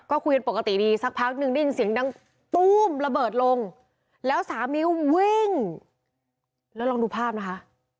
ก็คุยกันปกติดีสักพักนึงได้ยินเสียงดังตู้มระเบิดลงแล้วสามีก็วิ่งแล้วลองดูภาพนะคะ